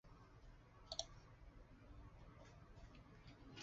这是德国第二大航空公司柏林航空的航点名单。